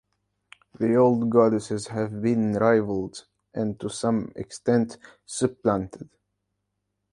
The old goddesses have been rivaled and to some extent supplanted.